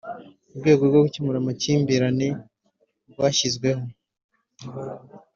urwego rwo gukemura amakimbirane rwashyizweho